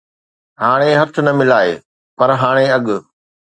ھاڻي ھٿ نه ملائي، پر ھاڻي اڳ